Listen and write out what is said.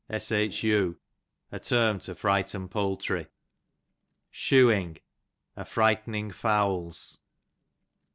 Shu, a te^ m to frighten poultry. Shuing, a f Tightening fowls.